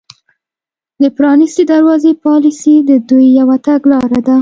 د پرانیستې دروازې پالیسي د دوی یوه تګلاره ده